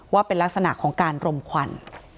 ว่าเป็นลักษณะของการรมควัน